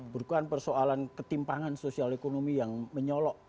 bukan persoalan ketimpangan sosial ekonomi yang menyolok